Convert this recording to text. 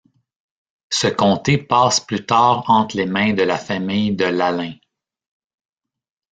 Ce comté passe plus tard entre les mains de la famille de Lalaing.